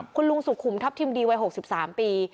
คุณลุงสุขุมทัพทิมดีวัย๖๓ปี